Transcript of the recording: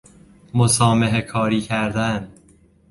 مسامحه کاری کردن